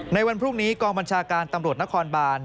ในวันพรุ่งนี้กองบัญชาการตำรวจนครบาน